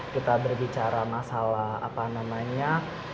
kita berbicara masalah apa namanya